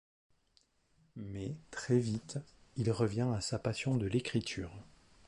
Mais, très vite, il revient à sa passion de l'écriture.